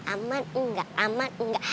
aman enggak aman enggak